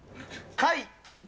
貝？